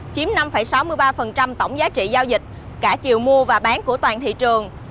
chiếm năm sáu mươi ba tổng giá trị giao dịch cả chiều mua và bán của toàn thị trường